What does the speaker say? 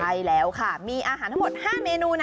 ใช่แล้วค่ะมีอาหารทั้งหมด๕เมนูนะ